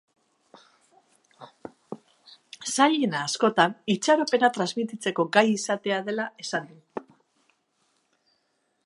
Zailena, askotan, itxaropena transmititzeko gai izatea dela esan digu.